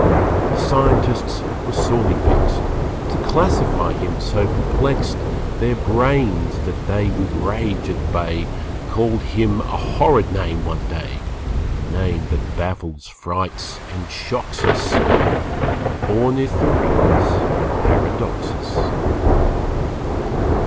The scientists were sorely vexed, To classify him so perplexed Their brains that they with rage at bay Called him a horrid name one day, A name that baffles, frights and shocks us Ornithorynchus Paradoxus.